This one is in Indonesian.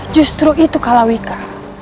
justru itu kalawika